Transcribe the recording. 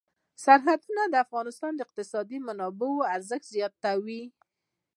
سرحدونه د افغانستان د اقتصادي منابعو ارزښت زیاتوي.